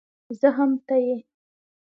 زه هم ته يې